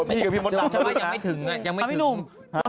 พี่กับพี่มดนำมันจะว่ายังไม่ถึง